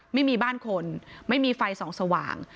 ไม่มีบ้านคนไม่มีไฟส่องสว่าง